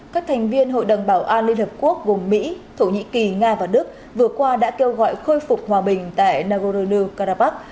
các thành viên hội đồng bảo an liên hợp quốc gồm mỹ thổ nhĩ kỳ nga và đức vừa qua đã kêu gọi khôi phục hòa bình tại nagorno karabakh